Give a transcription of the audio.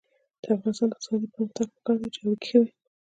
د افغانستان د اقتصادي پرمختګ لپاره پکار ده چې اړیکې ښې وي.